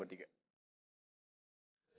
gak ada apa apa